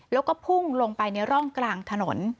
แล้วก็พุ่งลงไปในร่องกลางถนน